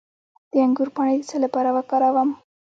د انګور پاڼې د څه لپاره وکاروم؟